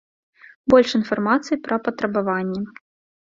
Больш інфармацыі пра патрабаванні.